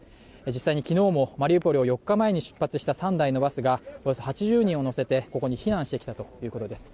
実際に昨日もマリウポリを４日前に出発した３台のバスがおよそ８０人を乗せてここに避難してきたということです。